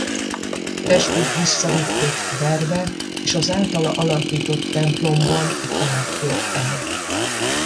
Testét visszavitték Tverbe és az általa alapított templomban temették el.